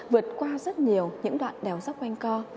vượt qua rất nhiều những đoạn đèo dốc quanh co